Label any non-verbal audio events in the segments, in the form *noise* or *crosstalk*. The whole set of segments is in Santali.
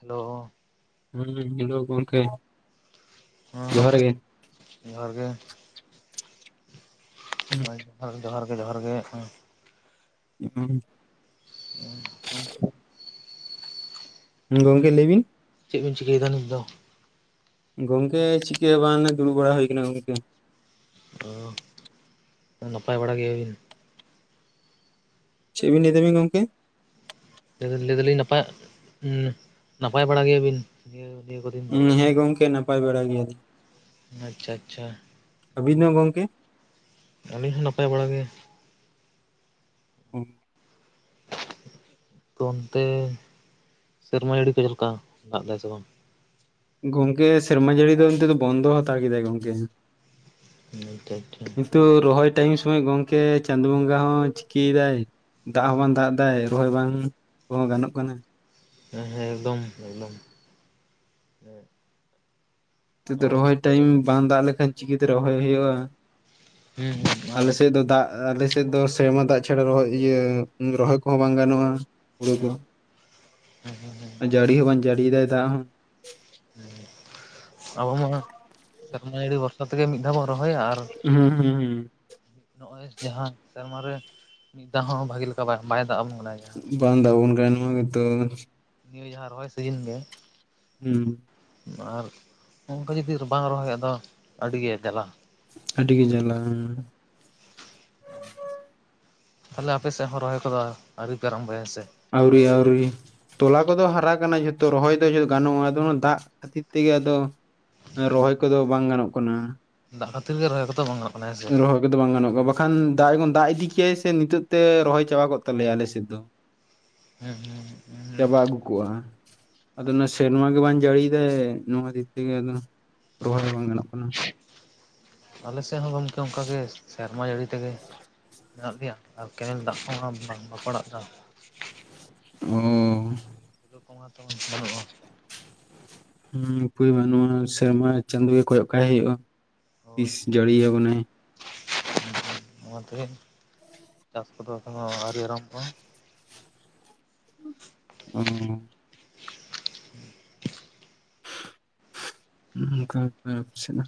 ᱦᱮᱞᱳ᱾ ᱦᱩᱸ ᱦᱮᱞᱳ ᱜᱚᱝᱠᱮ᱾ ᱦᱮᱸ ᱡᱚᱦᱟᱨ ᱜᱚᱢᱠᱮ ᱜᱮ ᱡᱚᱦᱟᱨ ᱜᱮ᱾ ᱡᱚᱦᱟᱨ ᱡᱚᱦᱟᱨ ᱜᱮ ᱡᱚᱦᱟᱨ ᱜᱮ ᱦᱟᱸᱠᱷᱟᱱ᱾ *inaudible* ᱦᱩᱸ ᱜᱚᱝᱠᱮ ᱜᱚᱝᱠᱮ ᱞᱟᱹᱭ ᱵᱤᱱ᱾ ᱪᱮᱫ ᱵᱤᱱ ᱪᱤᱠᱟᱹᱭᱫᱟ ᱱᱤᱛ ᱫᱚ? ᱜᱚᱝᱠᱮ ᱪᱤᱠᱟᱹ ᱵᱟᱝ ᱚᱱᱮ ᱫᱩᱲᱩᱵ ᱵᱟᱲᱟ ᱦᱩᱭᱠᱟᱱᱟ ᱜᱚᱝᱠᱮ᱾ ᱚ ᱱᱟᱯᱟᱭ ᱵᱟᱲᱟ ᱜᱮᱭᱟᱵᱤᱱ? ᱪᱮᱫ ᱵᱤᱱ ᱞᱟᱹᱭᱤᱫᱟ ᱵᱤᱱ ᱜᱚᱝᱠᱮ? ᱞᱟᱹᱭᱫᱟᱞᱤᱧ ᱞᱟᱹᱭᱫᱟᱞᱤᱧ ᱱᱟᱯᱟ ᱩᱸ ᱱᱟᱯᱟᱭ ᱵᱟᱲᱟ ᱜᱮᱭᱟᱵᱤᱱ? ᱱᱤᱭᱟᱹ ᱱᱤᱭᱟᱹ ᱠᱚᱫᱤᱱ ᱩᱸ ᱦᱮᱸ ᱜᱚᱝᱠᱮ ᱱᱟᱯᱟᱭ ᱵᱟᱲᱟ ᱜᱮᱭᱟᱞᱤᱧ᱾ ᱟᱪᱪᱷᱟ ᱟᱪᱪᱷᱟ᱾ ᱟᱹᱵᱤᱱ ᱫᱚ ᱜᱚᱝᱠᱮ? ᱟᱹᱞᱤᱧ ᱦᱚᱸ ᱱᱟᱯᱟᱭ ᱵᱟᱲᱟ ᱜᱮ᱾ ᱦᱮᱸ ᱚᱱᱛᱮ ᱥᱮᱨᱢᱟ ᱡᱟᱹᱰᱤ ᱠᱚ ᱪᱮᱞᱮᱠᱟ? ᱫᱟᱜ ᱫᱟᱭ ᱥᱮ ᱵᱟᱝ? ᱜᱚᱝᱠᱮ ᱥᱮᱨᱢᱟ ᱡᱟᱹᱲᱤ ᱫᱚ ᱱᱤᱛ ᱫᱚ ᱵᱚᱱᱫᱚ ᱦᱟᱛᱟᱣ ᱠᱮᱫᱟᱭ ᱜᱚᱝᱠᱮ᱾ ᱦᱳᱭ ᱛᱚ ᱟᱪᱪᱷᱟ᱾ ᱠᱤᱱᱛᱩ ᱨᱚᱦᱚᱭ ᱴᱟᱭᱤᱢ ᱥᱚᱢᱚᱭ ᱜᱚᱢᱠᱮ ᱪᱟᱸᱫᱩ ᱵᱚᱸᱜᱟ ᱦᱚᱸ ᱪᱤᱠᱤᱭᱫᱟᱭ ᱫᱟᱜ ᱦᱚᱸ ᱵᱟᱝ ᱫᱟᱜ ᱫᱟᱭ ᱨᱚᱦᱚᱭ ᱵᱟᱝ ᱠᱚᱦᱚᱸ ᱜᱟᱱᱚᱜ ᱠᱟᱱᱟ, ᱦᱮᱸ ᱦᱮᱸ ᱮᱠᱫᱚᱢ ᱮᱠᱫᱚᱢ᱾ ᱛᱤᱛ ᱫᱚ ᱟᱵᱚ ᱨᱚᱦᱚᱭ ᱴᱟᱭᱤᱢ ᱵᱟᱝ ᱫᱟᱜ ᱞᱮᱠᱷᱟᱱ ᱪᱤᱠᱟᱹᱛᱮ ᱨᱚᱦᱚᱭ ᱦᱩᱭᱩᱜᱼᱟ᱾ ᱦᱩᱸ ᱦᱩᱸ ᱟᱨ ᱟᱞᱮ ᱥᱮᱫ ᱫᱚ ᱫᱟᱜ ᱟᱞᱮᱥᱮᱫ ᱫᱚ ᱥᱮᱨᱢᱟ ᱫᱟᱜ ᱪᱷᱟᱲᱟ ᱨᱚᱦᱚᱭ ᱤᱭᱟᱹ ᱨᱚᱦᱚᱭ ᱠᱚᱦᱚᱸ ᱵᱟᱝ ᱜᱟᱱᱚᱜᱼᱟ ᱦᱩᱲᱩ ᱫᱚ, ᱡᱟᱹᱲᱤ ᱦᱚᱸ ᱵᱟᱝ ᱡᱟᱹᱲᱤ ᱫᱟᱭ ᱫᱟᱜ ᱦᱚᱸ᱾ ᱦᱮᱸ ᱟᱵᱚ ᱢᱟ ᱥᱮᱨᱢᱟ ᱡᱟᱹᱲᱤ ᱵᱷᱚᱨᱥᱟ ᱛᱮᱜᱮ ᱢᱤᱫ ᱫᱷᱟᱣ ᱵᱚᱱ ᱨᱚᱦᱚᱭᱟ, ᱟᱨ ᱦᱩᱸ ᱦᱩᱸ ᱦᱩᱸ ᱱᱚᱜᱼᱚᱭ ᱡᱟᱦᱟᱸ ᱥᱮᱨᱢᱟᱨᱮ ᱢᱤᱫ ᱫᱷᱟᱣ ᱦᱚᱸ ᱵᱷᱟᱜᱤ ᱞᱮᱠᱟ ᱵᱟᱭ ᱫᱟᱽᱜ ᱵᱚᱱ ᱠᱟᱱᱟ ᱡᱟᱦᱟᱸ ᱵᱟᱝ ᱫᱟᱵᱚᱱ ᱠᱟᱱᱟᱭ ᱱᱚᱣᱟ ᱜᱮᱛᱚ, ᱱᱤᱭᱟᱹ ᱡᱟᱦᱟᱸ ᱨᱚᱦᱚᱭ ᱥᱤᱡᱤᱱ ᱜᱮ᱾ ᱦᱮᱸ, ᱟᱨ ᱚᱱᱠᱟ ᱡᱩᱫᱤ ᱨᱟᱵᱟᱝ ᱨᱚᱦᱚᱭ ᱫᱚ ᱟᱹᱰᱤᱜᱮ ᱫᱮᱞᱟ, ᱟᱹᱰᱤ ᱜᱮ ᱡᱟᱞᱟ ᱦᱮᱸ᱾ ᱛᱟᱦᱚᱞᱮ ᱟᱯᱮ ᱥᱮᱜ ᱦᱚᱸ ᱨᱚᱦᱚᱭ ᱠᱚᱫᱚ ᱟᱹᱣᱨᱤ ᱯᱮ ᱟᱨᱚᱢᱵᱚᱭᱟ ᱥᱮ, ᱟᱹᱣᱨᱤ ᱟᱹᱣᱨᱤ᱾ ᱛᱚᱞᱟ ᱠᱚᱫᱚ ᱦᱟᱨᱟ ᱠᱟᱱᱟ ᱡᱚᱛᱚ ᱨᱚᱦᱚᱭ ᱫᱚ ᱜᱟᱱᱚᱜᱼᱟ ᱟᱫᱚ ᱚᱱᱟ ᱫᱟᱜᱽ ᱠᱷᱟᱛᱤᱨ ᱛᱮᱜᱮ ᱟᱫᱚ, ᱨᱚᱦᱚᱭ ᱠᱚᱫᱚ ᱵᱟᱝ ᱜᱟᱱᱚᱜ ᱠᱟᱱᱟ᱾ ᱫᱟᱜᱽ ᱠᱷᱟᱹᱛᱤᱨ ᱜᱮ ᱨᱚᱦᱚᱭ ᱠᱚᱫᱚ ᱵᱟᱝᱟᱱᱚᱜ, ᱨᱚᱦᱚᱭ, ᱚ ᱫᱚ ᱵᱟᱝ ᱜᱟᱱᱚᱜᱼᱟ ᱵᱟᱠᱷᱟᱱ ᱫᱟᱜᱽ ᱡᱚᱠᱷᱚᱱ ᱫᱟᱜᱽ ᱤᱫᱤ ᱠᱮᱟᱭ ᱥᱮ ᱱᱤᱛᱚᱜ ᱛᱮ ᱨᱚᱦᱚᱭ ᱪᱟᱵᱟ ᱠᱚᱜ ᱛᱟᱞᱮᱭᱟ ᱟᱞᱮᱥᱮᱫ ᱫᱚ᱾ ᱦᱮᱸ ᱦᱮᱸ ᱦᱮᱸ ᱦᱮᱸ᱾ ᱪᱟᱵᱟ ᱟᱹᱜᱩ ᱠᱚᱜᱼᱟ ᱟᱫᱚ ᱚᱱᱟ ᱥᱮᱨᱢᱟ ᱜᱮ ᱵᱟᱝ ᱡᱟᱹᱲᱤᱭ ᱫᱟᱭ ᱱᱚᱣᱟᱛᱤᱨ ᱛᱮᱜᱮ ᱟᱫᱚ, ᱨᱚᱦᱚᱭ ᱦᱚᱸ ᱵᱟᱝ ᱜᱟᱱᱚᱜ ᱠᱟᱱᱟ᱾ ᱟᱞᱮ ᱥᱮ ᱦᱚᱸ ᱜᱚᱝᱠᱮ ᱚᱱᱠᱟᱜᱮ ᱥᱮᱨᱢᱟ ᱡᱟᱹᱲᱤ ᱛᱮᱜᱮ, ᱢᱮᱱᱟᱜ ᱞᱮᱭᱟ ᱟᱨ ᱠᱮᱱᱮᱞ ᱫᱟᱜᱽ ᱠᱚᱦᱚᱸ ᱵᱟᱝ ᱵᱟᱠᱚ ᱟᱲᱟᱜᱠᱟᱱ᱾ ᱦᱩᱸ ᱩᱸ ᱩᱯᱟᱹᱭ ᱠᱚᱢᱟ ᱦᱚᱛᱚ ᱢᱟ ᱵᱟᱹᱱᱩᱜᱼᱟ᱾ ᱦᱮᱸ ᱩᱯᱟᱹᱭ ᱵᱟᱹᱱᱩᱜ ᱟ ᱥᱮᱨᱢᱟ ᱪᱟᱸᱫᱳ ᱜᱮ ᱠᱚᱭᱚᱜ ᱠᱟᱜ ᱦᱩᱭᱩᱜᱼᱟ ᱛᱤᱥ ᱡᱟᱹᱲᱤᱭᱟ ᱟᱵᱚᱱᱟᱭ᱾ ᱚᱱᱟᱛᱮ ᱪᱟᱥ ᱠᱚᱫᱚ ᱮᱠᱷᱚᱱᱚ ᱟᱹᱣᱨᱤ ᱟᱨᱟᱢᱵᱚᱜᱼᱟ᱾ ᱩᱸᱻ *inaudible* ᱦᱩᱸ ᱚᱱᱠᱟ ᱯᱟᱪᱷᱹᱮᱱᱟ᱾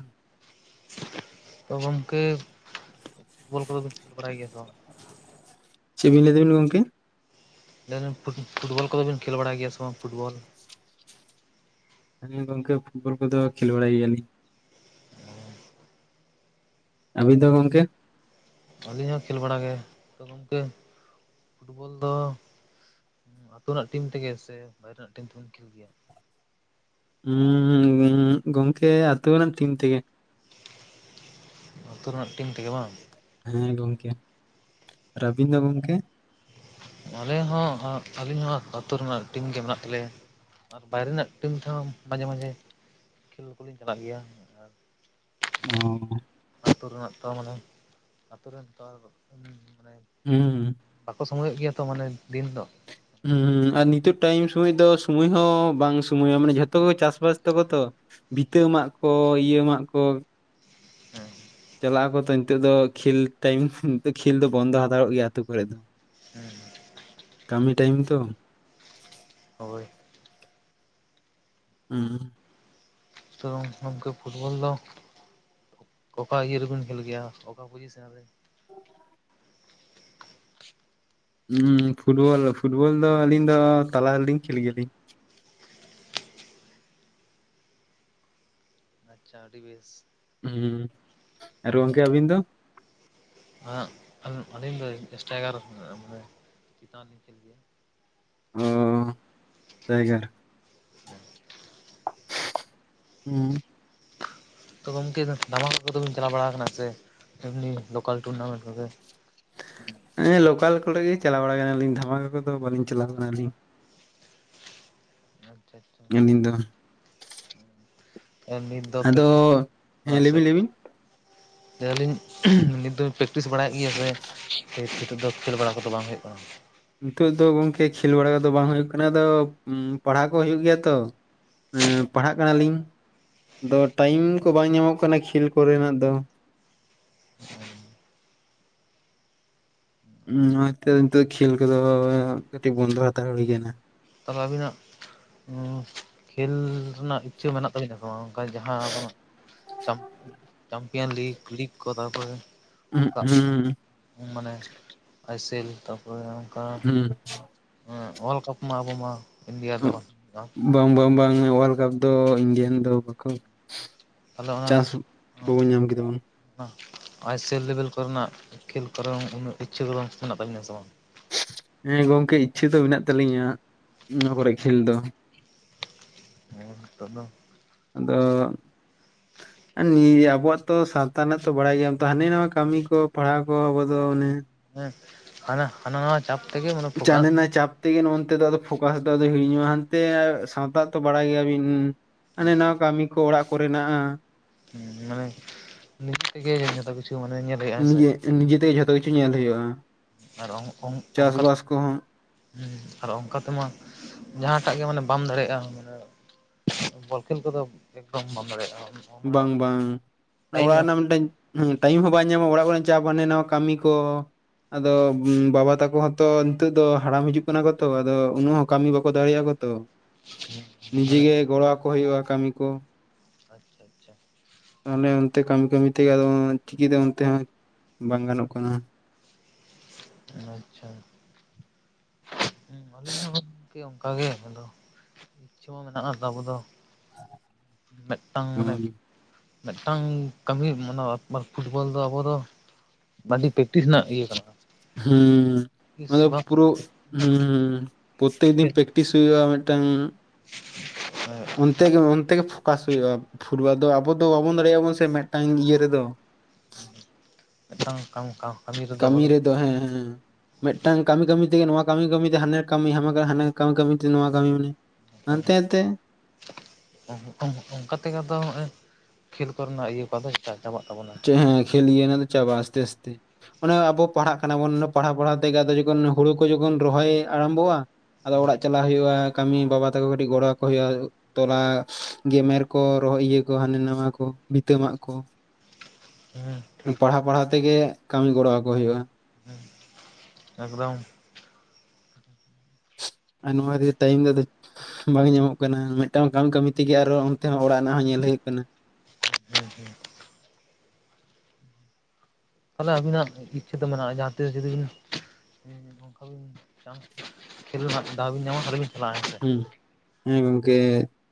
ᱛᱚ ᱜᱚᱝᱠᱮ ᱵᱚᱞ ᱠᱚᱫᱚ ᱵᱮᱱ ᱠᱷᱮᱞ ᱵᱟᱲᱟᱭ ᱜᱮᱭᱟ ᱵᱟᱝ? ᱪᱮᱫᱵᱤᱱ ᱞᱟᱹᱭᱮᱫᱟᱵᱤᱱ ᱜᱚᱝᱠᱮ? ᱞᱟᱹᱭ ᱫᱟᱹᱞᱤᱧ ᱯᱷᱩᱴᱵᱚᱞ ᱠᱚᱫᱚ ᱵᱤᱱ ᱠᱷᱮᱞ ᱵᱟᱲᱟᱭ ᱜᱮᱭᱟ ᱥᱮ ᱵᱟᱝ ᱯᱷᱩᱴᱵᱚᱞ, ᱦᱮᱸ ᱜᱚᱝᱠᱮ ᱯᱷᱩᱴᱵᱚᱞ ᱠᱚᱫᱚ ᱠᱷᱮᱞ ᱵᱟᱲᱟᱭ ᱜᱮᱭᱟᱞᱤᱧ᱾ ᱟᱹᱵᱤᱱ ᱫᱚ ᱜᱚᱝᱠᱮ? ᱟᱹᱞᱤᱧ ᱦᱚᱸ ᱠᱷᱮᱞ ᱵᱟᱲᱟ ᱜᱮ ᱾ ᱛᱚ ᱜᱚᱝᱠᱮ ᱯᱷᱩᱴᱵᱚᱞ ᱫᱚ, ᱟᱹᱛᱩ ᱨᱮᱱᱟᱜ ᱴᱤᱢ ᱛᱮᱜᱮ ᱥᱮ ᱵᱟᱭᱨᱮ ᱨᱮᱱᱟᱜ ᱴᱤᱢ ᱛᱮᱵᱮᱱ ᱠᱷᱮᱞ ᱜᱮᱭᱟ? ᱦᱩᱸᱩᱸ ᱜᱚᱝᱠᱮ ᱟᱹᱛᱩ ᱨᱮᱱᱟᱜ ᱴᱤᱢ ᱛᱮᱜᱮ᱾ ᱟᱛᱳ ᱨᱮᱱᱟᱜ ᱴᱤᱢ ᱛᱮᱜᱮ ᱵᱟᱝ? ᱦᱮᱸ ᱜᱚᱝᱠᱮ ᱟᱨ ᱟᱹᱰᱤᱱ ᱫᱚ ᱜᱚᱝᱠᱮ? ᱟᱞᱮ ᱦᱚᱸ ᱟᱞᱤᱮ ᱦᱚᱸ ᱟᱛᱳ ᱨᱮᱢᱟ ᱴᱤᱢ ᱜᱮ ᱢᱮᱱᱟᱜ ᱛᱟᱞᱮᱭᱟ᱾ ᱟᱨ ᱵᱟᱭᱨᱮ ᱨᱮᱱᱟᱜ ᱴᱤᱢ ᱛᱮᱦᱚᱸ ᱢᱟᱡᱷᱮ ᱢᱟᱡᱷᱮ, ᱠᱷᱮᱞ ᱠᱚᱞᱤᱧ ᱪᱟᱞᱟᱜ ᱜᱮᱭᱟ ᱟᱨ, ᱚᱻ ᱟᱹᱛᱩ ᱨᱮᱱᱟᱜ ᱛᱚ ᱢᱟᱱᱮ ᱟᱛᱳ ᱨᱮᱱ ᱛᱚ ᱢᱟᱱᱮ, ᱦᱩᱸ, ᱵᱟᱠᱚ ᱥᱚᱢᱚᱭᱚᱜ ᱜᱮᱭᱟ ᱛᱚ ᱢᱟᱱᱮ ᱫᱤᱱ ᱫᱚ᱾ ᱦᱩᱸ ᱟᱨ ᱱᱤᱛᱚᱜ ᱴᱟᱭᱤᱢ ᱥᱚᱢᱚᱭ ᱫᱚ ᱥᱚᱢᱚᱭ ᱦᱚᱸ ᱵᱟᱝ ᱥᱚᱢᱳᱭᱟ ᱢᱟᱱᱮ ᱡᱷᱚᱛᱚ ᱜᱮ ᱪᱟᱥᱵᱟᱥ ᱛᱟᱠᱚ ᱛᱚ, ᱵᱷᱤᱛᱟᱹ ᱢᱟᱜ ᱠᱚ ᱤᱭᱟᱹ ᱢᱟᱜ ᱠᱚ, ᱦᱮᱸ ᱪᱟᱞᱟᱜ ᱟᱠᱚ ᱛᱚ ᱱᱤᱛᱚᱜ ᱫᱚ ᱠᱷᱮᱞ ᱴᱟᱭᱤᱢ ᱱᱤᱛᱚᱜ ᱠᱷᱮᱞ ᱫᱚ ᱵᱚᱱᱫᱚ ᱦᱟᱛᱟᱲᱚᱜ ᱜᱮᱭᱟ ᱟᱛᱳ ᱠᱚᱨᱮᱫ ᱫᱚ᱾ ᱦᱮᱸ᱾ ᱠᱟᱹᱢᱤ ᱴᱟᱭᱤᱢ ᱛᱚ, ᱦᱳᱭ᱾ ᱦᱩᱸ᱾ ᱛᱚ ᱜᱚᱢᱠᱮ ᱯᱷᱩᱴᱵᱚᱞ ᱫᱚ ᱚᱠᱟ ᱤᱭᱟᱹ ᱨᱮᱵᱤᱱ ᱠᱷᱮᱞ ᱜᱮᱭᱟ? ᱚᱠᱟ ᱯᱚᱡᱤᱥᱮᱱ ᱨᱮ? ᱩᱸᱻ ᱯᱷᱩᱴᱵᱚᱞ, ᱯᱷᱩᱴᱵᱚᱞ ᱫᱚ ᱟᱹᱞᱤᱧ ᱫᱚ ᱛᱟᱞᱟ ᱨᱮᱞᱤᱧ ᱠᱷᱮᱞ ᱜᱮᱭᱟᱞᱤᱧ᱾ ᱟᱪᱪᱷᱟ ᱟᱹᱰᱤ ᱵᱮᱥ᱾ ᱦᱩᱸ ᱟᱨ ᱜᱚᱝᱠᱮ ᱟᱹᱵᱤᱱ ᱫᱚ? ᱟᱸᱜ ᱟᱹᱞᱤᱧ ᱫᱚ ᱮᱥᱴᱟᱭᱠᱟᱨ ᱨᱮ ᱢᱟᱱᱮ ᱪᱮᱛᱟᱱ ᱨᱮᱧ ᱠᱷᱮᱞ ᱜᱮᱭᱟ᱾ ᱚᱻ ᱮᱥᱴᱟᱭᱜᱟᱨ? *unintelligible* ᱩᱸ᱾ ᱛᱚ ᱜᱚᱝᱠᱮ ᱫᱷᱟᱢᱟᱠᱟ ᱠᱚᱫᱚ ᱵᱤᱱ ᱪᱟᱞᱟᱣ ᱵᱟᱲᱟ ᱠᱟᱱᱟ ᱥᱮ ᱮᱢᱱᱤ ᱞᱳᱠᱟᱞ ᱴᱩᱨᱱᱟᱢᱮᱱᱴ ᱠᱚᱜᱮ ᱩᱸ᱾ ᱦᱮᱸ ᱞᱳᱠᱟᱞ ᱠᱚᱨᱮ ᱜᱮ ᱪᱟᱞᱟᱣ ᱵᱟᱲᱟ ᱠᱟᱱᱟᱞᱤᱧ, ᱫᱷᱟᱢᱟᱠᱟ ᱠᱚᱫᱚ ᱵᱟᱹᱞᱤᱧ ᱪᱟᱞᱟᱣ ᱠᱟᱱᱟᱞᱤᱧ᱾ ᱟᱪᱪᱷᱟ ᱟᱪᱪᱷᱟ᱾ ᱟᱹᱞᱤᱧ ᱫᱚ ᱱᱤᱛ ᱫᱚ ᱟᱫᱚ ᱯᱮᱠᱴᱤᱥ ᱦᱮᱸ ᱞᱟᱹᱭᱵᱤᱱ ᱞᱟᱹᱭᱵᱤᱱ᱾ ᱫᱟᱹᱞᱤᱧ ᱱᱤᱛ ᱫᱚ ᱯᱨᱮᱠᱴᱤᱥ ᱵᱟᱲᱟᱭᱮᱫ ᱜᱮᱭᱟ ᱥᱮ ᱱᱤᱛᱚᱜ ᱫᱚ ᱠᱷᱮᱞ ᱵᱟᱲᱟ ᱠᱚᱫᱚ ᱵᱟᱝ ᱦᱩᱭᱩᱜ ᱠᱟᱱᱟ? ᱱᱤᱛᱳ ᱫᱚ ᱜᱚᱝᱠᱮ ᱠᱷᱮᱞ ᱵᱟᱲᱟ ᱠᱚᱫᱚ ᱵᱟᱝ ᱦᱩᱭᱩᱜ ᱠᱟᱱᱟ ᱟᱫᱚ ᱯᱟᱲᱦᱟᱣ ᱠᱚ ᱦᱩᱭᱩᱜ ᱜᱮᱭᱟ ᱛᱚ, ᱮᱸ ᱯᱟᱲᱦᱟᱜ ᱠᱟᱱᱟᱞᱤᱧ ᱫᱚ ᱴᱟᱭᱤᱢ ᱠᱚ ᱵᱟᱝ ᱧᱟᱢᱚᱜ ᱠᱟᱱᱟ ᱠᱷᱮᱞ ᱠᱚᱨᱮᱱᱟᱜ ᱫᱚ᱾ ᱚᱱᱟᱛᱮ ᱱᱤᱛᱚᱜ ᱠᱷᱮᱞ ᱠᱚᱫᱚ ᱠᱟᱹᱴᱤᱡ ᱵᱚᱱᱫᱚ ᱦᱟᱛᱟᱲ ᱦᱩᱭ ᱠᱟᱱᱟ᱾ ᱛᱟᱦᱚᱞᱮ ᱟᱹᱵᱤᱱᱟᱜ ᱩᱸ ᱠᱷᱮᱞ ᱨᱮᱱᱟᱜ ᱤᱪᱪᱷᱟᱹ ᱢᱮᱱᱟᱜ ᱛᱟᱹᱵᱤᱱᱟ ᱥᱮ ᱵᱟᱝ? ᱚᱱᱠᱟ ᱡᱟᱦᱟᱸ ᱟᱵᱚᱱᱟᱜ ᱪᱟᱢ ᱪᱟᱢᱯᱤᱭᱟᱱ ᱞᱤᱜ ᱞᱤᱜ ᱠᱚ ᱛᱟᱨᱯᱚᱨᱮ ᱦᱩᱸᱜ ᱚᱱᱠᱟ ᱦᱩᱸ᱾ ᱢᱟᱱᱮ ᱟᱭᱥᱮᱞ ᱛᱟᱯᱚᱨᱮ ᱚᱝᱠᱟ ᱦᱩᱸ᱾ ᱚᱸ ᱚᱣᱟᱨᱞᱰ ᱠᱟᱯ ᱢᱟ ᱟᱵᱚ ᱢᱟ ᱤᱱᱰᱤᱭᱟ ᱫᱚ ᱦᱩᱸ ᱵᱟᱱᱩᱜᱼᱟ᱾ ᱵᱟᱝ ᱵᱟᱝ ᱵᱟᱝ ᱚᱣᱟᱨᱞᱰ ᱠᱟᱯ ᱫᱚ ᱤᱱᱰᱤᱭᱟᱱ ᱫᱚ ᱵᱟᱠᱚ ᱪᱟᱥ ᱵᱟᱵᱚᱱ ᱧᱟᱢ ᱠᱮᱫᱟᱵᱚᱱ ᱟᱭᱥᱮᱞ ᱞᱮᱵᱮᱞ ᱠᱚᱨᱮᱱᱟᱜ ᱠᱷᱮᱞ ᱠᱚᱨᱮ ᱩᱱᱟᱹᱜ ᱤᱪᱪᱷᱟᱹ ᱠᱚᱫᱚ ᱢᱮᱱᱟᱜ ᱛᱟᱹᱵᱤᱧᱟ ᱥᱮ ᱵᱟᱝ? ᱦᱮᱸ ᱜᱚᱝᱠᱮ ᱤᱪᱪᱷᱟᱹ ᱫᱚ ᱢᱮᱱᱟᱜ ᱛᱟᱹᱟᱞᱤᱧᱟ ᱱᱚᱣᱟ ᱠᱚᱨᱮ ᱠᱷᱮᱞ ᱫᱚ᱾ ᱱᱤᱛᱚᱜ ᱫᱚ ᱟᱫᱚ ᱟᱨ ᱱᱤᱭᱟᱹ ᱟᱵᱚᱣᱟᱜ ᱛᱚ ᱥᱟᱶᱛᱟ ᱨᱮᱱᱟᱜ ᱛᱚ ᱵᱟᱲᱟᱭ ᱜᱮᱭᱟᱢ ᱛᱚ ᱦᱟᱱᱮ ᱱᱚᱣᱟ ᱠᱟᱹᱢᱤ ᱠᱚ ᱯᱟᱲᱦᱟᱣ ᱠᱚ ᱟᱵᱚ ᱫᱚ ᱚᱱᱮ ᱦᱮᱸ ᱦᱟᱱᱮ ᱦᱟᱱᱟ ᱱᱟᱣᱟ ᱪᱟᱯ ᱛᱮᱜᱮ ᱯᱷᱳᱠᱟᱥ ᱪᱟᱱᱮᱱᱟ ᱪᱟᱯ ᱛᱮᱜᱮ ᱱᱚᱱᱛᱮ ᱫᱚ ᱯᱷᱳᱠᱟᱥ ᱫᱚ ᱟᱫᱚ ᱦᱤᱲᱧᱚᱜᱼᱟ ᱦᱟᱸᱱᱛᱮ ᱥᱟᱶᱛᱟ ᱛᱚ ᱵᱟᱲᱟᱭ ᱜᱮᱭᱟᱵᱤᱱ? ᱦᱟᱱᱮ ᱱᱟᱣᱟ ᱠᱟᱹᱢᱤ ᱠᱚ ᱚᱲᱟᱜ ᱠᱚᱨᱮᱱᱟᱜ ᱦᱮᱸ ᱢᱟᱱᱮ ᱱᱤᱛ ᱛᱮᱜᱮ ᱡᱷᱚᱛᱚ ᱠᱤᱪᱷᱩ ᱢᱟᱱᱮ ᱧᱮᱞ ᱦᱩᱭᱩᱜᱼᱟ ᱦᱮᱸᱥᱮ? ᱱᱤᱡᱮ ᱱᱤᱡᱮ ᱛᱮᱜᱮ ᱡᱷᱚᱛᱚ ᱠᱤᱪᱷᱩ ᱧᱮᱞ ᱦᱩᱭᱩᱜᱼᱟ᱾ ᱟᱨ ᱚᱝ ᱚᱝ ᱚᱝᱠᱟ ᱛᱚ ᱪᱟᱥᱵᱟᱥ ᱠᱚᱦᱚᱸ ᱦᱮᱸ ᱟᱨ ᱚᱱᱠᱟ ᱛᱮᱢᱟ ᱡᱟᱦᱟᱸᱴᱟᱜ ᱜᱮ ᱢᱟᱱᱮ ᱵᱟᱢ ᱫᱟᱲᱮᱭᱟᱜᱼᱟ ᱢᱟᱱᱮᱼᱼ ᱵᱚᱞ ᱠᱷᱮᱞ ᱠᱚᱫᱚ ᱮᱠᱫᱚᱢ ᱵᱟᱢ ᱫᱟᱲᱮᱭᱟᱜᱼᱟ᱾ ᱵᱟᱝ ᱚᱱᱟ ᱵᱟᱝ ᱴᱟᱭᱤᱢ ᱚᱲᱟᱜ ᱮᱢ ᱨᱮᱱᱟᱜ ᱢᱤᱫᱴᱟᱹᱧᱼᱼ ᱴᱟᱭᱤᱢ ᱦᱚᱸ ᱵᱟᱭ ᱧᱟᱢᱚᱜᱟ ᱚᱲᱟᱜ ᱠᱚᱨᱮ ᱪᱟᱯ ᱦᱟᱱᱟ ᱱᱟᱣᱟ ᱠᱟᱹᱢᱤ ᱠᱚ ᱟᱫᱚ ᱵᱟᱵᱟ ᱛᱟᱠᱚ ᱦᱚᱸᱼᱼ ᱛᱚ ᱱᱤᱛᱚᱜ ᱫᱚ ᱦᱟᱲᱟᱢ ᱦᱤᱡᱩᱜ ᱠᱟᱱᱟ ᱠᱚᱛᱚ ᱟᱫᱚ ᱩᱱᱟᱹᱜ ᱦᱚᱸ ᱠᱟᱹᱢᱤ ᱵᱟᱠᱚ ᱫᱟᱲᱮᱭᱟᱜᱼᱟ ᱠᱚᱛᱚ᱾ ᱱᱤᱡᱮ ᱢᱟᱱᱮ ᱜᱮ ᱜᱚᱲᱚᱣᱟᱠᱚ ᱦᱩᱭᱩᱜᱼᱟ ᱠᱟᱹᱢᱤ ᱠᱚ᱾ ᱟᱪᱪᱷᱟ ᱟᱪᱪᱷᱟ᱾ ᱛᱟᱦᱚᱞᱮ ᱚᱱᱟ ᱚᱱᱛᱮ ᱠᱟᱹᱢᱤ ᱠᱟᱹᱢᱤ ᱛᱮᱜᱮ ᱟᱫᱚ ᱪᱤᱠᱤᱛᱮ ᱚᱱᱛᱮ ᱦᱚᱸ ᱵᱟᱝ ᱜᱟᱱᱚᱜ ᱠᱟᱱᱟ᱾ ᱟᱪᱪᱷᱟ ᱦᱮᱸ ᱟᱹᱞᱤᱧ ᱦᱚᱸ ᱜᱚᱢᱠᱮ ᱚᱱᱠᱟᱜ ᱜᱮ ᱫᱚ ᱤᱪᱪᱷᱟᱹ ᱢᱟ ᱢᱮᱱᱟᱜ ᱟᱵᱚ ᱫᱚ᱾ ᱢᱤᱫᱴᱟᱝ ᱢᱟᱱᱮᱼᱼ ᱢᱤᱫᱴᱟᱝ ᱠᱟᱹᱢᱤ ᱚᱱᱟ ᱟᱨ ᱯᱷᱩᱴᱵᱚᱞ ᱫᱚ ᱟᱵᱚ ᱫᱚ ᱟᱹᱰᱤ ᱯᱮᱠᱴᱤᱥ ᱨᱮᱱᱟᱜ ᱤᱭᱟᱹ ᱠᱟᱱᱟ᱾ ᱦᱩᱸᱻ ᱛᱤᱥ ᱢᱟᱱᱮ ᱵᱟᱝ ᱯᱩᱨᱟᱹ ᱦᱩᱸ ᱯᱨᱚᱛᱮᱠ ᱫᱤᱱ ᱯᱮᱠᱼᱼ ᱴᱤᱥ ᱦᱩᱭᱩᱜᱼᱟ ᱢᱤᱫᱴᱟᱝᱼᱼ ᱦᱮᱸ *inaudible* ᱚᱱᱛᱮ ᱜᱮ ᱚᱱᱛᱮ ᱜᱮ ᱯᱷᱳᱠᱟᱥ ᱦᱩᱭᱩᱜᱼᱟ ᱯᱷᱩᱴᱵᱚᱞ ᱫᱚ ᱟᱵᱚ ᱫᱚ ᱵᱟᱵᱚᱱ ᱫᱟᱲᱮᱭᱟᱜ ᱟᱵᱚᱱ ᱥᱮ ᱢᱤᱫᱴᱟᱝ ᱤᱭᱟᱹ ᱨᱮᱫᱚ᱾ ᱢᱤᱫ ᱠᱟᱝᱠᱟ ᱚᱱᱠᱟ *inaudible* ᱠᱟᱹᱢᱤ ᱨᱮᱫᱚ ᱦᱮᱸ ᱦᱮᱸ᱾ ᱢᱤᱫᱴᱟᱝ ᱠᱟᱹᱢᱤ ᱠᱟᱹᱢᱤ ᱛᱮᱜᱮ ᱱᱚᱣᱟ ᱠᱟᱹᱢᱤ ᱠᱟᱹᱢᱤᱛᱮ ᱦᱟᱱᱟ ᱠᱟᱹᱢᱤ ᱦᱟᱢ ᱦᱟᱱ ᱠᱟᱹᱢᱤ ᱠᱟᱹᱢᱤᱛᱮ ᱱᱚᱣᱟ ᱠᱟᱹᱢᱤ᱾ ᱦᱟᱱᱛᱮᱛᱮ, ᱚᱱᱠᱟ ᱛᱮᱜᱮ ᱟᱫᱚ ᱱᱚᱜᱼᱚᱭ ᱠᱷᱮᱞ ᱠᱚᱨᱮᱱᱟᱜ ᱤᱭᱟᱹ ᱠᱚᱫᱚ ᱪᱟ ᱪᱟᱵᱟᱜ ᱛᱟᱵᱚᱱᱟ᱾ ᱪᱮᱫ ᱦᱮᱸ ᱠᱷᱮᱞ ᱤᱭᱟᱹ ᱚᱱᱟ ᱫᱚ ᱪᱟᱵᱟᱜ-ᱟ ᱟᱥᱛᱮ ᱟᱥᱛᱮ, ᱚᱱᱮ ᱟᱵᱚ ᱯᱟᱲᱦᱟᱜ ᱠᱟᱱᱟ ᱵᱚᱱ ᱯᱟᱲᱦᱟᱣ ᱯᱟᱲᱦᱟᱣ ᱛᱮᱜᱮ ᱡᱚᱠᱷᱚᱱ ᱦᱩᱲᱩ ᱠᱚ ᱡᱚᱠᱷᱚᱱ ᱨᱚᱦᱚᱭ ᱟᱨᱟᱢᱵᱷᱚᱜᱼᱟ᱾ ᱟᱫᱚ ᱚᱲᱟᱜ ᱪᱟᱞᱟᱜ ᱦᱩᱭᱩᱜᱼᱟ ᱠᱟᱹᱢᱤ ᱵᱟᱵᱟ ᱛᱟᱠᱚ ᱠᱟᱹᱴᱤᱡ ᱜᱚᱲᱚ ᱟᱠᱚ ᱦᱩᱭᱩᱜᱼᱟ᱾ ᱛᱚᱞᱟ ᱜᱮᱢᱮᱨ ᱠᱚ ᱨᱚᱦᱚᱭ ᱤᱭᱟᱹ ᱠᱚ ᱦᱟᱱᱟ ᱱᱟᱣᱟ ᱠᱚ ᱵᱷᱤᱛᱟᱹᱢᱟᱜ ᱠᱚ᱾ ᱦᱮᱸ ᱴᱷᱤᱠ ᱯᱟᱲᱦᱟᱜ ᱯᱟᱲᱦᱟᱜ ᱛᱮᱜᱮ ᱠᱟᱹᱢᱤ ᱜᱚᱲᱚ ᱟᱠᱚ ᱦᱩᱭᱩᱜᱼᱟ᱾ ᱮᱠᱫᱚᱢ ᱟᱱᱢᱟᱫ *unintelligible* ᱴᱟᱭᱤᱢ ᱫᱚ ᱟᱫᱚ ᱵᱟᱝ ᱧᱟᱢᱚᱜ ᱠᱟᱱᱟ ᱢᱤᱫᱴᱟᱝ ᱠᱚᱢ ᱠᱟᱹᱢᱤ ᱛᱮᱜᱮ ᱟᱨᱚ ᱚᱱᱛᱮ ᱦᱚᱸ ᱚᱲᱟᱜ ᱨᱮᱱᱟᱜ ᱦᱚᱸ ᱧᱮᱞ ᱦᱩᱭᱩᱜ ᱠᱟᱱᱟ᱾ ᱦᱩᱸ ᱦᱩᱸ ᱛᱟᱞᱦᱮ ᱟᱹᱵᱤᱱᱟᱜ ᱤᱪᱪᱷᱟᱹ ᱫᱚ ᱢᱮᱱᱟᱜᱼᱟ ᱡᱟᱦᱟᱸ ᱛᱤᱥ ᱡᱩᱫᱤ ᱵᱤᱱᱼᱼ ᱱᱚᱝᱠᱟ ᱵᱤᱱ ᱪᱟᱱᱥ ᱠᱷᱮᱞ ᱨᱮᱱᱟᱜ ᱫᱟᱣᱵᱤᱱ ᱧᱟᱢᱟ ᱛᱟᱦᱚᱞᱮᱵᱤᱱ ᱪᱟᱞᱟᱜᱼᱟ᱾ ᱥᱮ ᱦᱩᱸ ᱦᱮᱸ ᱜᱚᱝᱠᱮ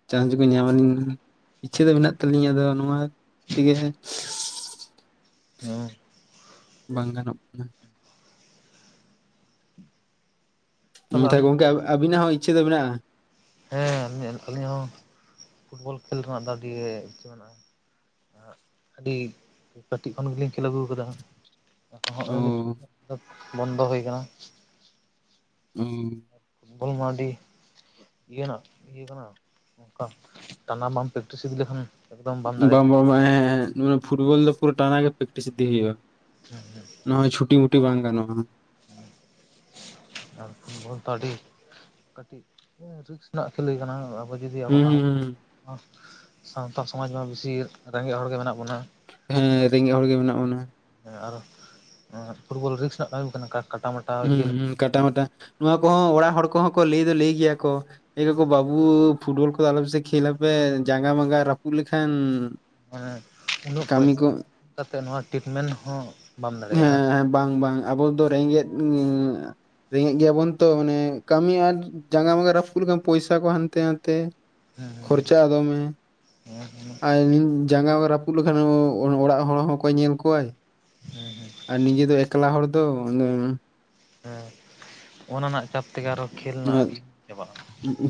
ᱪᱟᱥᱠᱚ ᱧᱟᱢ ᱟᱹᱞᱤᱼᱼ ᱤᱪᱪᱷᱟᱹ ᱫᱚ ᱢᱮᱱᱟᱜ ᱛᱟᱹᱟᱞᱤᱧᱟ ᱟᱫᱚ ᱱᱚᱣᱟ ᱛᱮᱜᱮᱼᱼ ᱚ ᱵᱟᱝ ᱜᱟᱱᱚᱜᱼᱼ ᱛᱟᱦᱚᱞᱮ ᱢᱩᱛᱷᱟ ᱟᱹᱵᱤᱱ ᱜᱚᱢᱠᱮ ᱟᱵᱤᱱᱟᱜ ᱦᱚᱸ ᱤᱪᱪᱷᱟᱹ ᱫᱚ ᱢᱮᱱᱟᱜᱼᱟ? ᱦᱮᱸ ᱟᱹᱞᱤᱧ ᱦᱚᱸ ᱯᱷᱩᱴᱵᱚᱞ ᱠᱷᱮᱞ ᱨᱮᱱᱟᱜ ᱫᱚ ᱟᱹᱰᱤ ᱤᱪᱪᱷᱟᱹ ᱢᱮᱱᱟᱜᱼᱟ᱾ ᱟᱹᱰᱤ ᱠᱟᱹᱴᱤᱡ ᱠᱷᱚᱱ ᱜᱮᱞᱤᱧ ᱠᱷᱮᱞ ᱟᱹᱜᱩ ᱠᱟᱫᱟ᱾ ᱚ ᱦᱚᱸᱜᱼᱚᱭ ᱱᱤᱛᱚᱜ ᱵᱚᱱᱫᱚ ᱦᱩᱭ ᱠᱟᱱᱟ᱾ ᱦᱩ ᱵᱚᱞᱢᱟᱰᱤᱼᱼ ᱤᱭᱟᱹ ᱱᱟᱜ ᱤᱭᱟᱹ ᱠᱟᱱᱟ ᱚᱱᱠᱟ ᱴᱟᱱᱟ ᱵᱟᱢ ᱯᱮᱠᱴᱤᱥ ᱤᱫᱤ ᱞᱮᱠᱷᱟᱱᱼᱼ ᱵᱟᱝ ᱵᱟᱝ ᱵᱟᱝ ᱦᱮᱸ ᱢᱟᱱᱮ ᱯᱷᱩᱴᱵᱚᱞ ᱫᱚ ᱯᱩᱨᱟᱹ ᱴᱟᱱᱟ ᱜᱮ ᱯᱮᱠᱴᱤᱥ ᱤᱫᱤ ᱦᱩᱭᱩᱜᱼᱟ᱾ ᱦᱮᱸ ᱦᱮᱸ᱾ ᱱᱚᱜᱚᱭ ᱪᱷᱩᱴᱤ ᱢᱩᱴᱤ ᱵᱟᱝ ᱜᱟᱱᱚᱜᱼᱟ᱾ ᱟᱨ ᱯᱷᱩᱴᱵᱚᱞ ᱫᱚ ᱟᱹᱰᱤ ᱠᱟᱹᱴᱤᱡ ᱨᱤᱠᱥ ᱨᱮᱱᱟᱜ ᱠᱷᱮᱞ ‌ᱜᱮ ᱠᱟᱱᱟ᱾ ᱟᱵᱚ ᱡᱩᱫᱤ ᱟᱵᱚ ᱦᱩᱸ ᱦᱩᱸ ᱥᱟᱶᱟᱛᱟ‌ ᱥᱚᱢᱟᱡᱢᱟ ᱵᱤᱥᱤ ᱨᱮᱸᱜᱮᱡ ᱦᱚᱲᱜᱮ ᱢᱮᱱᱟᱜ ᱵᱚᱱᱟ᱾ ᱦᱮᱸ ᱨᱮᱸᱜᱮᱡ ᱦᱚᱲ ᱜᱮ ᱢᱮᱱᱟᱜ ᱵᱚᱱᱟ᱾ ᱦᱮᱸ ᱟᱨᱚ ᱯᱷᱩᱴᱵᱚᱞ ᱨᱤᱠᱥ ᱨᱮᱱᱟᱜ ᱠᱟᱹᱢᱤ ᱠᱟᱱᱟ, ᱠᱟᱴᱟ ᱢᱟ ᱦᱩᱸ ᱦᱩᱸ ᱠᱟᱴᱟ ᱢᱟᱴᱟ ᱱᱚᱣᱟ ᱠᱚᱦᱚᱸ ᱚᱲᱟᱜ ᱦᱚᱲ ᱠᱚᱦᱚᱸ ᱠᱚ ᱞᱟᱹᱭ ᱫᱚ ᱞᱟᱹᱭ ᱜᱮᱭᱟ ᱠᱚ ᱮ ᱠᱟᱠᱚ ᱵᱟᱹᱵᱩ ᱯᱷᱩᱴᱵᱚᱞ ᱠᱚ ᱫᱚ ᱟᱞᱚᱯᱮᱥᱮ ᱠᱷᱮᱞ ᱞᱟᱯᱮ ᱡᱟᱸᱜᱟ ᱢᱟᱸᱜᱟ ᱨᱟᱹᱯᱩᱫ ᱞᱮᱠᱷᱟᱱ ᱢᱟᱱᱮ ᱩᱱᱟᱹᱜ ᱠᱟᱹᱢᱤ ᱯᱚᱭᱥᱟ ᱠᱚ ᱠᱟᱛᱮ ᱱᱚᱣᱟ ᱴᱤᱴᱢᱮᱱ ᱦᱚᱸ ᱵᱟᱢ ᱫᱟᱲᱮᱭᱟᱜᱼᱟ᱾ ᱦᱮᱸ ᱵᱟᱝ ᱵᱟᱝ ᱟᱵᱚ ᱫᱚ ᱨᱮᱸᱜᱮᱡ ᱮᱸ ᱨᱮᱸᱜᱮᱡ ᱜᱮᱭᱟᱵᱚᱱ ᱛᱚ ᱢᱟᱱᱮ ᱠᱟᱹᱢᱤ ᱟᱨ ᱡᱟᱸᱜᱟ ᱢᱟᱸᱜᱟ ᱨᱟᱹᱯᱩᱫ ᱞᱮᱠᱷᱟᱱ ᱯᱚᱭᱥᱟ ᱠᱚ ᱦᱟᱱᱛᱮ ᱱᱟᱱᱛᱮ ᱦᱮᱸ ᱠᱷᱚᱨᱪᱟᱜᱼᱟ ᱫᱚᱢᱮ ᱦᱮᱸ ᱟᱨ ᱡᱟᱸᱜᱟ ᱠᱚ ᱨᱟ ᱯᱩᱜ ᱞᱮᱠᱷᱟᱱ ᱚ ᱚᱲᱟᱜ ᱦᱚᱲ ᱦᱚᱸᱠᱚᱭ ᱧᱮᱞ ᱠᱚᱣᱟᱭ᱾ ᱦᱮᱸ ᱦᱮᱸ᱾ ᱟᱨ ᱱᱤᱡᱮ ᱫᱚ ᱮᱠᱞᱟ ᱦᱚᱲ ᱫᱚ ᱦᱮᱸ ᱚᱱᱟ ᱨᱮᱱᱟᱜ ᱪᱟᱯ ᱛᱮᱜᱮ ᱟᱨᱚ ᱠᱷᱮᱞ ᱨᱮᱱᱟᱜ *inaudible* ᱪᱟᱵᱟᱜᱼᱟ᱾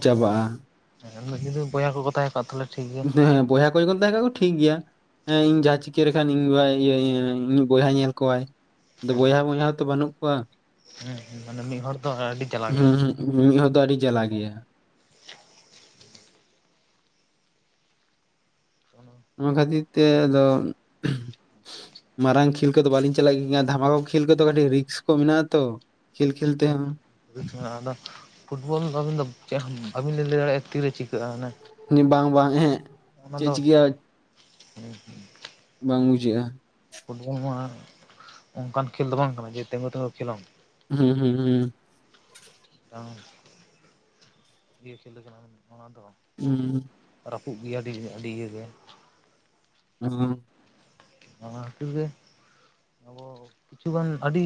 ᱪᱟᱵᱟᱜᱼᱟ ᱢᱤᱫᱴᱤᱝ ᱵᱚᱭᱟ ᱠᱚᱠᱚ ᱛᱟᱦᱮᱸ ᱠᱚᱜ ᱛᱟᱦᱞᱮ ᱦᱮᱸᱦᱮᱸ ᱵᱚᱭᱦᱟ ᱠᱚ ᱡᱚᱠᱷᱚᱱ ᱛᱟᱦᱮᱸ ᱠᱚᱜ ᱟᱠᱚ ᱴᱷᱤᱠ ᱜᱮᱭᱟ᱾ ᱦᱮᱸ ᱤᱧ ᱡᱟᱦᱟᱸ ᱪᱤᱠᱟᱹ ᱞᱮᱠᱷᱟᱱ ᱤᱧ ᱤᱧᱤᱡ ᱵᱚᱭᱦᱟ ᱧᱮᱞ ᱠᱚᱣᱟᱭ᱾ ᱟᱫᱚ ᱵᱚᱭᱦᱟ ᱢᱚᱭᱦᱟ ᱦᱚᱸᱛᱚ ᱵᱟᱹᱱᱩᱜ ᱠᱚᱣᱟ, ᱦᱩᱸ ᱦᱩᱸ ᱢᱟᱱᱮ ᱢᱤᱫ ᱦᱚᱲ ᱫᱚ ᱟᱹᱰᱤ ᱡᱟᱞᱟ ᱜᱮᱭᱟ᱾ ᱦᱩᱸ ᱦᱩᱸ ᱢᱤᱫ ᱦᱚᱲ ᱫᱚ ᱟᱹᱰᱤ ᱡᱟᱞᱟ ᱜᱮᱭᱟ᱾ ᱩᱱᱚ ᱚᱱᱟ ᱠᱷᱟᱹᱛᱤᱨ ᱛᱮ ᱟᱫᱚ ᱢᱟᱨᱟᱝ ᱠᱷᱮᱞ ᱠᱚᱫᱚ ᱵᱟᱹᱞᱤᱧ ᱪᱟᱞᱟᱜ ᱜᱮᱭᱟ, ᱫᱷᱟᱢᱟᱠᱟ ᱠᱚ ᱠᱷᱮᱞ ᱠᱚᱫᱚ ᱠᱟᱹᱴᱤᱡ ᱨᱤᱠᱥ ᱠᱚ ᱢᱮᱱᱟᱜᱼᱟ ᱛᱚ ᱠᱷᱮᱞ ᱠᱷᱮᱞ *unintelligible* ᱛᱮᱦᱚᱸ ᱨᱤᱠᱥ ᱢᱮᱱᱟᱜᱼᱟ ᱟᱫᱚ ᱯᱷᱩᱴᱵᱚᱞ ᱟᱹᱵᱤᱱ ᱫᱚ ᱪᱮᱫ ᱵᱟᱵᱤᱱᱤᱧ ᱞᱟᱹᱭ ᱫᱟᱲᱮᱭᱟᱜᱼᱟ ᱛᱤᱨᱮ ᱪᱤᱠᱟᱹᱜᱼᱟ, ᱢᱟᱱᱮ ᱩᱱᱤ ᱵᱟᱝ ᱵᱟᱝ ᱮᱦᱮᱸᱜ ᱪᱮᱫ ᱪᱤᱠᱟᱜᱼᱟ ᱦᱩᱸ ᱦᱩᱸ᱾ ᱵᱟᱝ ᱵᱩᱡᱷᱟᱹᱜᱼᱟ᱾ ᱯᱷᱩᱴᱵᱚᱞ ᱢᱟ ᱚᱱᱠᱟᱱ ᱠᱷᱮᱞ ᱫᱚ ᱵᱟᱝ ᱠᱟᱱᱟ ᱡᱮ ᱛᱮᱜᱳ ᱛᱮᱜᱳᱢ ᱠᱷᱮᱞᱟᱢ᱾ ᱦᱩᱸ ᱦᱩᱸ ᱦᱩᱸ᱾ ᱛᱟᱣ ᱤᱭᱟᱹ ᱠᱷᱮᱞ ᱞᱮᱠᱟᱱᱟᱜ ᱱᱚᱣᱟ ᱫᱚ᱾ ᱦᱩᱸ᱾ ᱨᱟᱹᱯᱩᱫ ᱜᱮᱭᱟ ᱟᱹᱰᱤ ᱟᱹᱰᱤ ᱤᱭᱟᱹᱜᱮ᱾ ᱦᱩᱸ᱾ ᱚᱱᱟ ᱠᱷᱟᱛᱤᱨ ᱜᱮ ᱟᱵᱚ ᱠᱤᱪᱷᱩ ᱜᱟᱱ ᱟᱹᱰᱤ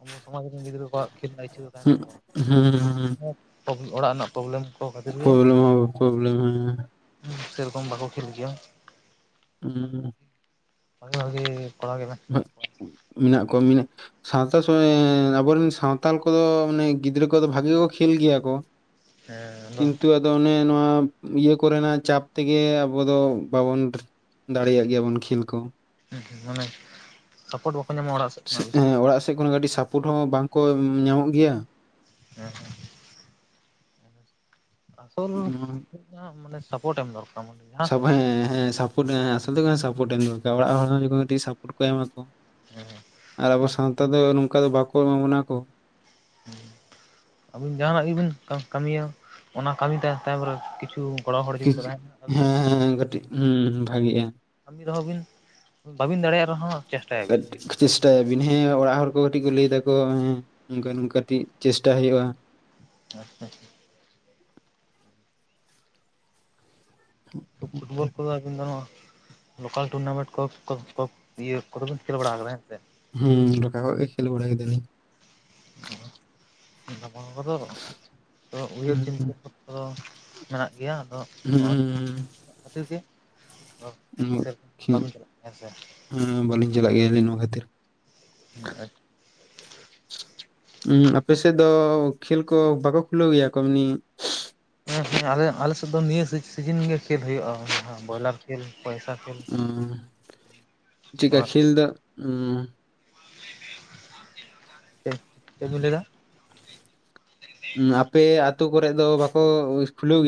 ᱟᱵᱚ ᱥᱚᱢᱟᱡ ᱨᱮᱱ ᱜᱤᱫᱽᱨᱟᱹ ᱠᱚᱣᱟᱜ ᱠᱷᱮᱞ ᱤᱪᱪᱷᱟᱹ ᱩᱸᱜ ᱦᱩᱸ ᱦᱩᱸ᱾ ᱠᱚ ᱚᱲᱟᱜ ᱨᱮᱱᱟᱜ ᱯᱨᱚᱵᱞᱮᱢ ᱠᱚ ᱠᱷᱟᱹᱛᱤᱨ ᱜᱮ ᱯᱨᱚᱵᱞᱮᱢ ᱦᱚᱸ ᱯᱨᱚᱵᱞᱮᱢ ᱦᱮᱸ ᱦᱩᱸ ᱥᱮᱨᱚᱠᱚᱢ ᱵᱟᱠᱚ ᱠᱷᱮᱞ ᱜᱮᱭᱟ᱾ ᱩᱸ᱾ ᱵᱷᱟᱜᱤ ᱵᱷᱟᱜᱤ ᱠᱚᱲᱟᱜ ᱜᱮ ᱢᱮᱱᱟᱜ ᱢᱮᱱᱟᱜ ᱠᱚᱣᱟ᱾ ᱢᱮᱱᱟᱜ ᱠᱚᱣᱟ ᱢᱤᱱᱟ ᱥᱟᱶᱛᱟ ᱥᱚᱢᱮ ᱟᱵᱚᱨᱮᱱ ᱥᱟᱶᱟᱱᱛᱟᱞ ᱠᱚᱫᱚ ᱢᱟᱱᱮ ᱜᱤᱫᱽᱨᱟᱹ ᱠᱚᱫᱚ ᱵᱷᱟᱜᱤ ᱜᱮᱠᱚ ᱠᱷᱮᱞ ᱜᱮᱭᱟ ᱠᱚ᱾ ᱦᱮᱸ ᱟᱫᱚ ᱠᱤᱱᱛᱩ ᱟ ᱚᱱᱮ ᱱᱚᱣᱟ ᱤᱭᱟᱹ ᱠᱚᱨᱮᱱᱟᱜ ᱪᱟᱯ ᱛᱮᱜᱮ ᱟᱵᱚ ᱫᱚ ᱵᱟᱵᱚᱱ ᱫᱟᱲᱮᱭᱟᱜ ᱜᱮᱭᱟ ᱵᱚᱱ ᱠᱷᱮᱞ ᱠᱚ᱾ ᱦᱮᱸ ᱢᱟᱱᱮ ᱥᱟᱯᱳᱴ ᱵᱟᱠᱚ ᱧᱟᱢᱟ ᱚᱲᱟᱜ ᱥᱮ ᱦᱮᱸ ᱚᱲᱟᱜ ᱥᱮᱫ ᱠᱷᱚᱱ ᱠᱟᱹᱴᱤᱡ ᱥᱟᱯᱳᱴ ᱦᱚᱸ ᱵᱟᱝᱠᱚ ᱧᱟᱢᱚᱜ ᱜᱮᱭᱟ᱾ ᱦᱮᱸ ᱦᱮᱸ᱾ ᱟᱥᱚᱞ ᱢᱟᱱᱮ ᱥᱟᱯᱳᱴ ᱮᱢ ᱫᱚᱨᱠᱟᱨ ᱢᱟᱱᱮ ᱡᱟᱦᱟᱸ ᱥᱚᱵᱮ ᱦᱮᱸ ᱥᱟᱯᱚᱴ ᱟᱥᱚᱞ ᱦᱩᱭᱩᱜ ᱠᱟᱱᱟ ᱮᱢ ᱫᱚᱨᱠᱟᱨ ᱚᱲᱟᱜ ᱦᱚᱲ ᱠᱟᱹᱴᱤᱡ ᱮᱢᱟᱠᱚ ᱟᱨ ᱟᱵᱚ ᱥᱟᱱᱛᱟᱲ ᱫᱚ ᱱᱚᱝᱠᱟ ᱫᱚ ᱵᱟᱠᱚ ᱮᱢᱟ ᱵᱚᱱᱟ ᱠᱚ᱾ ᱟᱹᱵᱤᱱ ᱡᱟᱦᱟᱱᱟᱜ ᱜᱮᱵᱤᱱ ᱠᱟᱹᱢᱤᱭᱟ᱾ ᱚᱱᱟ ᱠᱟᱹᱢᱤ ᱛᱟᱭᱚᱢ ᱨᱮ ᱛᱟᱨᱯᱚᱨᱮ ᱠᱤᱪᱷᱩ ᱜᱚᱲᱚ ᱦᱚᱲ ᱡᱩᱫᱤ ᱦᱮᱸ ᱠᱚ ᱛᱟᱦᱮᱱᱟ ᱟᱹᱵᱤᱱ ᱦᱮᱸ ᱠᱟᱹᱴᱤᱡ ᱦᱚᱸ ᱵᱷᱟᱜᱤᱜᱼᱟ᱾ ᱠᱟᱹᱢᱤ ᱨᱮᱦᱚᱸ ᱵᱤᱱ ᱵᱟᱵᱤᱱ ᱫᱟᱲᱮᱭᱟᱜ ᱨᱮᱦᱚᱸ ᱪᱮᱥᱴᱟᱭ ᱟᱵᱤᱱ᱾ ᱪᱮᱥᱴᱟᱭ ᱟᱵᱤᱱ ᱦᱮᱸ ᱚᱲᱟᱜ ᱦᱚᱲ ᱠᱚ ᱠᱟᱹᱴᱤᱡ ᱠᱚ ᱞᱟᱹᱭ ᱫᱟᱠᱚ ᱦᱮᱸ ᱱᱚᱝᱠᱟ ᱠᱟᱹᱴᱤᱡ ᱪᱮᱥᱴᱟ ᱦᱩᱭᱩᱜᱼᱟ᱾ ᱟᱪᱪᱷᱟ᱾ ᱯᱷᱩᱴᱵᱚᱞ ᱠᱚᱫᱚ ᱟᱹᱵᱤᱱ ᱱᱚᱭᱟ ᱞᱳᱠᱟᱞ ᱴᱩᱨᱱᱟᱢᱮᱱᱴ ᱠᱚ ᱠᱚ ᱤᱭᱟᱹ ᱠᱚᱫᱚᱚᱵᱮᱱ ᱠᱷᱮᱞ ᱵᱟᱲᱟ ᱟᱠᱟᱫᱟ ᱦᱮᱸ ᱥᱮ? ᱦᱩᱸ ᱰᱚᱠᱟ ᱠᱷᱚᱡ ᱜᱮ ᱠᱷᱮᱞ ᱵᱟᱲᱟᱭ ᱫᱟᱞᱤᱧ᱾ ᱚᱱᱟ ᱠᱚᱫᱚ ᱩᱭᱦᱟᱹᱨ ᱦᱩᱸ ᱪᱤᱱᱛᱟᱹ ᱠᱚ ᱢᱮᱱᱟᱜ ᱜᱮᱭᱟ᱾ ᱟᱫᱚ ᱦᱩᱸ ᱦᱚᱸᱜᱼᱚ ᱠᱷᱟᱹᱛᱤᱨ ᱜᱮ ᱥᱮᱨᱚᱠᱚᱢ *unintelligible* ᱦᱮᱸ ᱵᱟᱵᱤᱱ ᱪᱟᱞᱟᱜ ᱠᱟᱱᱟ ᱦᱮᱸ ᱥᱮ ᱵᱟᱹᱞᱤᱧ ᱪᱟᱞᱟᱜ ᱜᱮᱭᱟᱞᱤᱧ ᱱᱚᱣᱟ ᱠᱷᱟᱹᱛᱤᱨ᱾ ᱦᱮᱸ ᱟᱨ ᱦᱚᱸ ᱟᱯᱮ ᱥᱮᱫ ᱫᱚ ᱠᱷᱮᱞ ᱠᱚ ᱵᱟᱠᱚ ᱠᱷᱩᱞᱟᱹᱣ ᱜᱮᱭᱟ ᱠᱚ ᱮᱢᱱᱤ? ᱦᱮᱸ ᱦᱮᱸ ᱟᱞᱮ ᱟᱞᱮᱥᱮᱫ ᱫᱚ ᱱᱤᱭᱟᱹ ᱥᱤᱡᱤᱱ ᱜᱮ ᱠᱷᱮᱞ ᱦᱩᱭᱩᱜᱼᱟ, ᱡᱟᱦᱟᱸ ᱵᱚᱭᱞᱟᱨ ᱠᱷᱮᱞ ᱯᱚᱭᱥᱟ ᱠᱷᱮᱞ ᱪᱮᱫ ᱠᱟ ᱵᱟᱝ ᱠᱷᱮᱞ ᱫᱚ? ᱪᱮᱫ ᱵᱤᱱ ᱞᱟᱹᱭᱫᱟ? ᱟᱯᱮ ᱟᱹᱛᱩ ᱠᱚᱨᱮ ᱫᱚ ᱵᱟᱠᱚ ᱠᱷᱩᱞᱟᱹᱣ ᱜᱮᱭᱟ?